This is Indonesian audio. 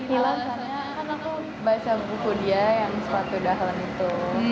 hilang karena kan aku baca buku dia yang sepatu dahlan itu